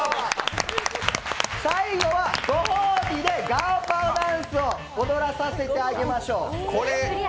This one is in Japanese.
最後はご褒美でガオパオダンスを踊らさせてあげましょう。